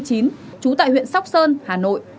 trú tại huyện sóc sơn hà nội